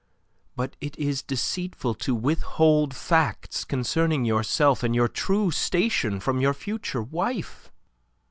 But it is deceitful to withhold facts concerning yourself and your true station from your future wife.